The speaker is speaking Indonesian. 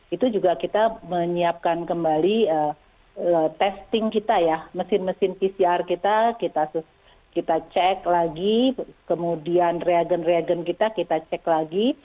itu juga kita menyiapkan kembali testing kita ya mesin mesin pcr kita kita cek lagi kemudian reagen reagen kita kita cek lagi